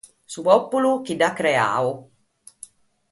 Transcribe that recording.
Su pòpulu chi l’at creadu.